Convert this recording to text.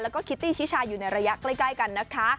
แล้วก็คิตตี้ชิชาอยู่ในระยะใกล้กันนะคะ